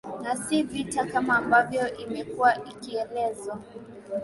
na si vita kama ambavyo imekuwa ikielezwa